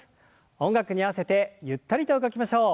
音楽に合わせてゆったりと動きましょう。